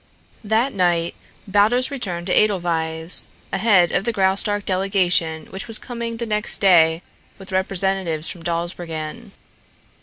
That night Baldos returned to Edelweiss, ahead of the Graustark delegation which was coming the next day with representatives from Dawsbergen.